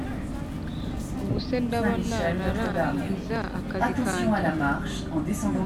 ubuse ndaba nararangiza akazi kanjye